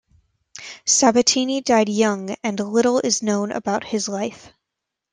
Sabatini died young and little is known about his life.